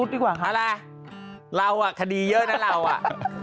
ถ้าไรคดีเยอะนั้นนั้น